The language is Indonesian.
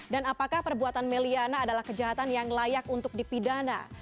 dan apakah perbuatan meliana adalah kejahatan yang layak untuk dipidana